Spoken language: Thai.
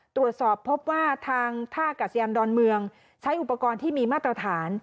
ตรวจสอบพบว่าทางท่ากัศยานดอนเมืองใช้อุปกรณ์ที่มีมาตรฐาน